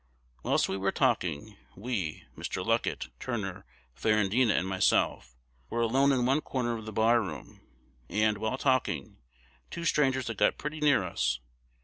"Whilst we were thus talking, we (Mr. Luckett, Turner, Ferrandina, and myself) were alone in one corner of the barroom; and, while talking, two strangers had got pretty near us.